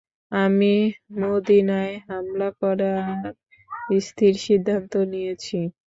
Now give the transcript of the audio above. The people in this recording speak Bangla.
আমি মদীনায় হামলা করার স্থির সিদ্ধান্ত নিয়েছি।